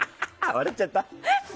笑っちゃった。